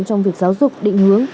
trong việc giáo dục định hướng